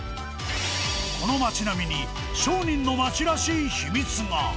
この町並みに商人の町らしい秘密が。